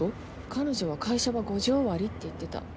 彼女は会社が５時終わりって言ってた。